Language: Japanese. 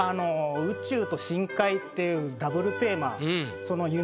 宇宙と深海っていうＷテーマその夢